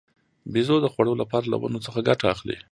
بیزو د خوړو لپاره له ونو څخه ګټه اخلي.